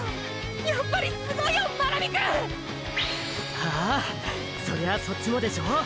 やっぱりすごいよ真波くん！！はーそりゃあそっちもでしょ。